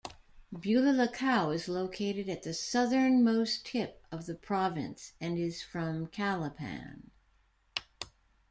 Bulalacao is located at the southernmost tip of the province and is from Calapan.